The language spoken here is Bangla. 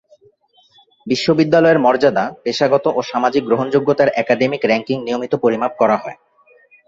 বিশ্ববিদ্যালয়ের মর্যাদা, পেশাগত ও সামাজিক গ্রহণযোগ্যতার একাডেমিক র্যাঙ্কিং নিয়মিত পরিমাপ করা হয়।